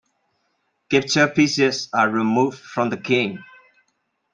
Captured pieces are removed from the game.